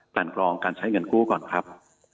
กันกรองการใช้เงินกู้ก่อนครับ